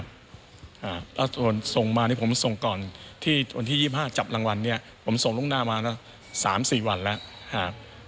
ครับส่งมาผมส่งก่อนที่วันที่๒๕จับรางวัลเนี่ยผมส่งลงหน้ามาแล้ว๓๔วันแล้ว